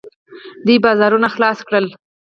دوی بازارونه خلاص کړل.